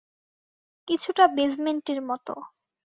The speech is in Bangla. কিছুটা বেজমেন্টের মতো।